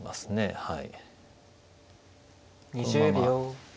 はい。